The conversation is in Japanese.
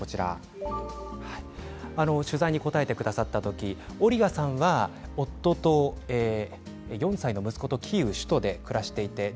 取材に答えてくださった時オリガさんは夫と４歳の息子と首都キーウで暮らしていました。